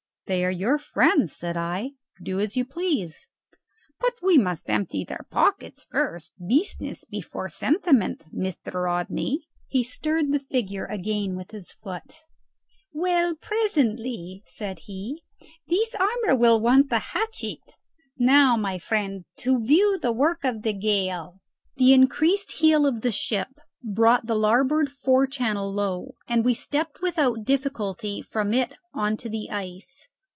"They are your friends," said I; "do as you please." "But we must empty their pockets first. Business before sentiment, Mr. Rodney." He stirred the figure again with his foot. "Well, presently," said he, "this armour will want the hatchet. Now, my friend, to view the work of the gale." The increased heel of the ship brought the larboard fore channel low, and we stepped without difficulty from it on to the ice.